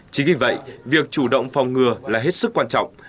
chính vì vậy việc chủ động phòng ngừa là hết sức quan trọng